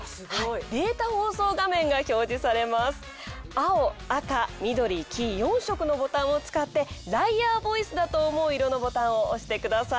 青赤緑黄４色のボタンを使ってライアーボイスだと思う色のボタンを押してください。